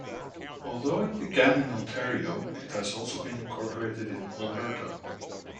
Although it began in Ontario, it has also been incorporated in Alberta.